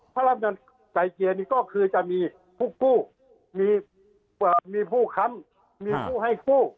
พระราชสมดัติไก่เจียนี่ก็คือจะมีผู้คู่มีมีผู้คำมีผู้ให้คู่